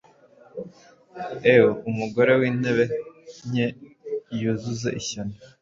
Ewe umugore w'intege nke, yuzuze ishyano! '